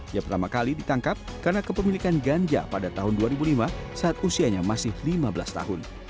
ia pertama kali ditangkap karena kepemilikan ganja pada tahun dua ribu lima saat usianya masih lima belas tahun